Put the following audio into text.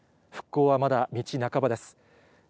復興はまだ道半ばです。